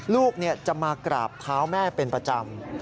ลูกจะมากราบเท้าแม่เป็นประจำ